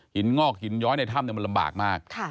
งอกหินย้อยในถ้ำมันลำบากมาก